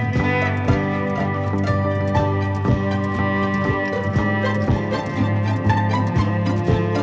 dan pemerintah di situ juga